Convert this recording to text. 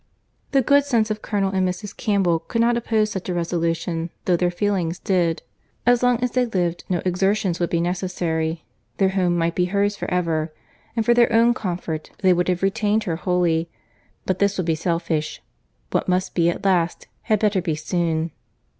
The good sense of Colonel and Mrs. Campbell could not oppose such a resolution, though their feelings did. As long as they lived, no exertions would be necessary, their home might be hers for ever; and for their own comfort they would have retained her wholly; but this would be selfishness:—what must be at last, had better be soon.